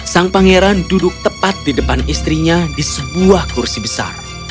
sang pangeran duduk tepat di depan istrinya di sebuah kursi besar